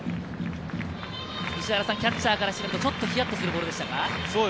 キャッチャーからするとちょっとヒヤッとするボールでしたか？